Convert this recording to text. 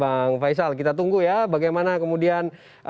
bang faisal kita tunggu ya bagaimana kemudian